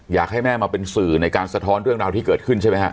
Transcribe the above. อยากให้แม่มาเป็นสื่อในการสะท้อนเรื่องราวที่เกิดขึ้นใช่ไหมฮะ